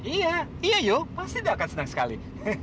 iya iya pasti dia akan senang sekali